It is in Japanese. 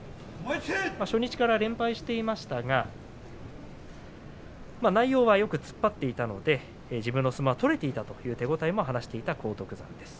初日から連敗していましたが内容はよく突っ張っていたので、自分の相撲は取れていたという手応えも話していた荒篤山です。